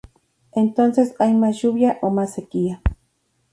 Entonces hay más lluvia o más sequía.